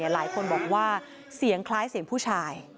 หลายคนบอกว่าเสียงคล้ายเสียงผู้ชาย